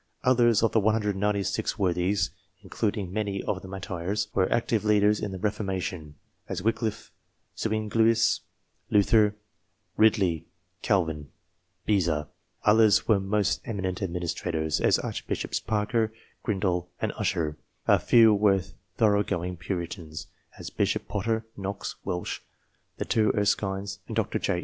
Others of the 196 worthies, including many of the martyrs, were active leaders in the Reforma tion, as Wickliffe, Zuinglius, Luther, Ridley, Calvin, Beza ; others were most eminent administrators, as Archbishops Parker, Grindal, and Usher; a few were thorough going Puritans, as Bishop Potter, Knox, Welch, the two Erskines, and Dr. J.